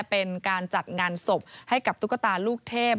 เป็นการจัดงานศพให้กับตุ๊กตาลูกเทพ